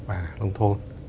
và nông thôn